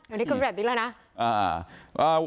อันนี้คือแบบนี้แล้วนะ